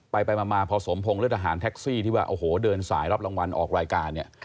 ไปมาพอสมพงศ์เลือดทหารแท็กซี่ที่ว่าโอ้โหเดินสายรับรางวัลออกรายการเนี่ย